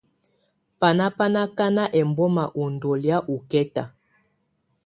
Banà bà ná akana ɛmbɔma ú ndɔlɔ̀́á ɔkɛta.